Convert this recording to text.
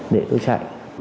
để tôi chạy